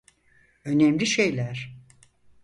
Önemli şeyler.